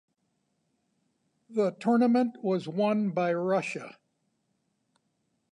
The tournament was won by Russia.